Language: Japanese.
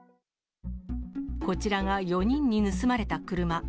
こちらが４人に盗まれた車。